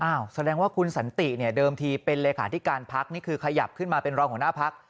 แสดงว่าคุณสันติเนี่ยเดิมทีเป็นเลขาธิการพักนี่คือขยับขึ้นมาเป็นรองหัวหน้าพัก